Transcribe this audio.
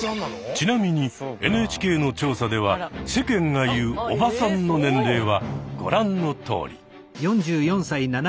ちなみにＮＨＫの調査では世間が言う「おばさん」の年齢はご覧のとおり。